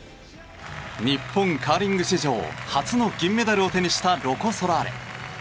日本カーリング史上初の銀メダルを手にしたロコ・ソラーレ。